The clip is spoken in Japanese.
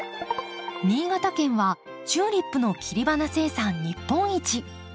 新潟県はチューリップの切り花生産日本一。